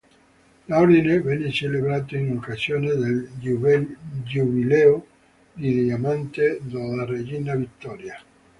L'ordine venne celebrato in occasione del Giubileo di Diamante della regina Vittoria.